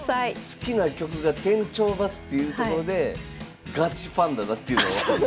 好きな曲が「天頂バス」っていうところでガチファンだなっていうのが分かるんです。